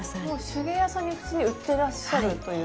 手芸屋さんに普通に売ってらっしゃるという。